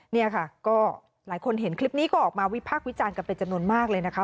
นี่ค่ะก็หลายคนเห็นคลิปนี้ก็ออกมาวิพากษ์วิจารณ์กันเป็นจำนวนมากเลยนะคะ